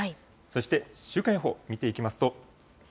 そして週間予報を見ていきますと。